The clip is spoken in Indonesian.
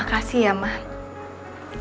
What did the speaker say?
aku akan berhati hati sama abi